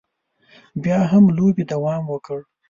بیا هم لوبې دوام وکړ.